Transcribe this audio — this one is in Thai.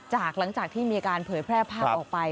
หลังจากที่มีการเผยแพร่ภาพออกไป